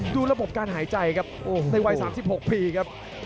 ดูระบบการหายใจครับในวัย๓๖ปีครับ